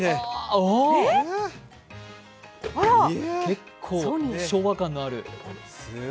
結構、昭和感のある。